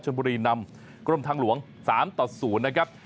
บุรีนำกรมทางหลวง๓ต่อ๐นะครับ